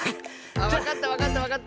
あっわかったわかったわかった！